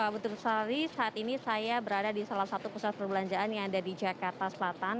betul sekali saat ini saya berada di salah satu pusat perbelanjaan yang ada di jakarta selatan